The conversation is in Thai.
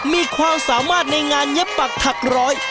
มีความสามารถในงานเย็บปักถักร้อย